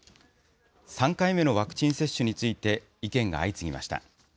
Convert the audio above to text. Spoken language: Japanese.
３回目のワクチン接種について意見が相次ぎました。